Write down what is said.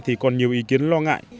thì còn nhiều ý kiến lo ngại